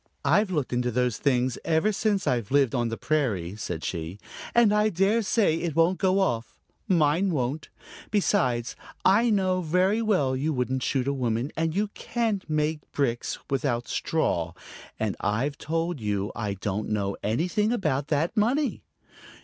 "I've looked into those things ever since I've lived on the prairie," said she. "And I dare say it won't go off mine won't. Besides, I know very well you wouldn't shoot a woman, and you can't make bricks without straw; and then I've told you I don't know anything about that money."